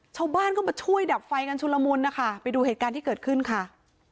ชาวบ้านก็มาช่วยดับไฟกันชุลมุนนะคะไปดูเหตุการณ์ที่เกิดขึ้นค่ะ